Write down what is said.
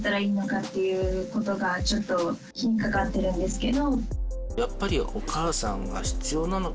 っていうことがちょっと気にかかってるんですけど。